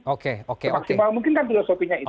oke semaksimal mungkin kan filosofinya itu